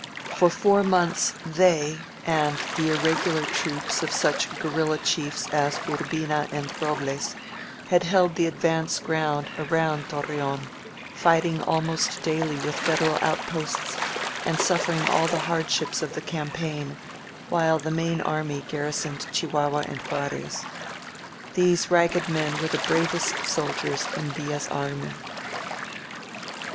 For four months they, and the irregular troops of such guerrilla chiefs as Urbina and Robles, had held the advance around Torreon, fighting almost daily with Federal outposts and suffering aU the hardships of the campaign, while the main army garrisoned Chihuahua, and Juarez. These ragged men were the bravest sol diers in Villa's army.